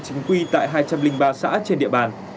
chính quy tại hai trăm linh ba xã trên địa bàn